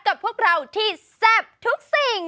กับพวกเราที่แซ่บทุกสิ่ง